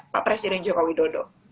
pak presiden joko widodo